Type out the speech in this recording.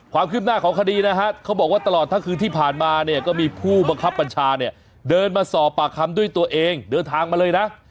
ความคืบหน้าของคดีนะฮะเขาบอกว่าตลอดทั้งคืนที่ผ่านมาเนี่ยก็มีผู้บังคับบัญชาเนี่ยเดินมาสอบปากคำด้วยตัวเองเดินทางมาเลยนะ